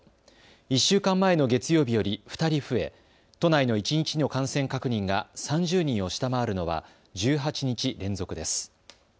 １週間前の月曜日より２人増え、都内の一日の感染確認が３０人を下回るのは１８日連続です。